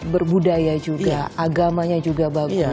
berbudaya juga agamanya juga bagus